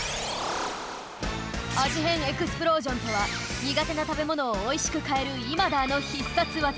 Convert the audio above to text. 「味変エクスプロージョン」とは苦手な食べものをおいしくかえるイマダーの必殺技！